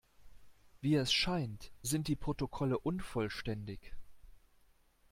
Wie es scheint, sind die Protokolle unvollständig.